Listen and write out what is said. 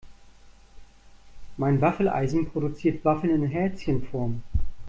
Mein Waffeleisen produziert Waffeln in Herzchenform.